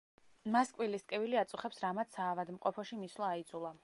მას კბილის ტკივილი აწუხებს რამაც საავადმყოფოში მისვლა აიძულა.